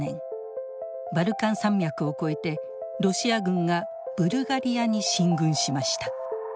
バルカン山脈を越えてロシア軍がブルガリアに進軍しました。